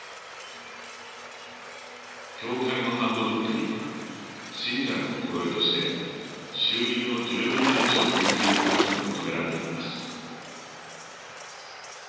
教会のハンドブックには信者の心得として収入の１０分の１を献金することが求められています。